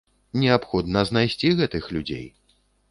Неабходна знайсці гэтых людзей.